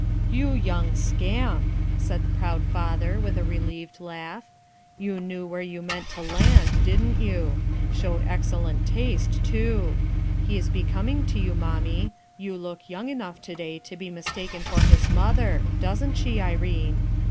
"You young scamp!" said the proud father, with a relieved laugh. "You knew where you meant to land, didn't you? Showed excellent taste, too. He is becoming to you, mommic. You look young enough to day to bo mistaken for his mother. Doesn't she, Irene?"